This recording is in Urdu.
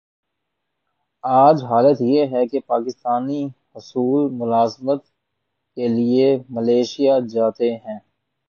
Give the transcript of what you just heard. آج حالت یہ ہے کہ پاکستانی حصول ملازمت کیلئے ملائشیا جاتے ہیں۔